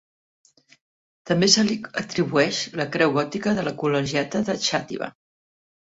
També se li atribueix la creu gòtica de la col·legiata de Xàtiva.